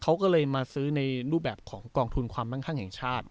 เขาก็เลยมาซื้อในรูปแบบของกองทุนความมั่งข้างแห่งชาติ